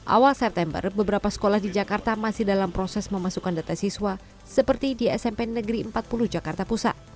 awal september beberapa sekolah di jakarta masih dalam proses memasukkan data siswa seperti di smp negeri empat puluh jakarta pusat